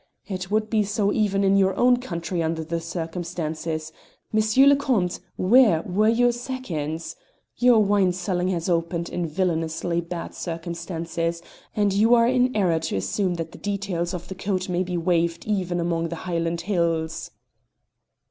It would be so even in your own country under the circumstances. M. le Comte, where were your seconds? Your wine selling has opened in villainously bad circumstances, and you are in error to assume that the details of the code may be waived even among the Highland hills."